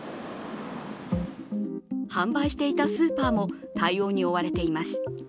販売していたスーパーも対応に追われています。